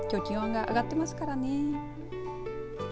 きょう気温が上がってますからね。